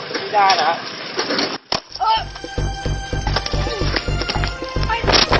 ไม่ได้นะฮะ